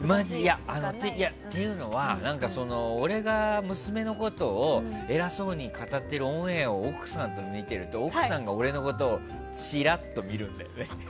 っていうのは、俺が娘のことを偉そうに語ってるオンエアを奥さんと見てると奥さんが俺のことちらっと見るんだよね。